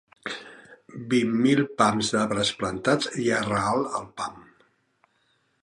Vint mil pams d'arbres plantats i a ral el pam